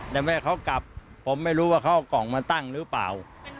แต่แม่เขากลับผมไม่รู้ว่าเขาเอากล่องมาตั้งหรือเปล่า